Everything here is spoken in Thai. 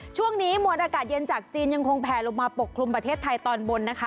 ช่วงนี้มวลอากาศเย็นจากจีนยังคงแผลลงมาปกคลุมประเทศไทยตอนบนนะคะ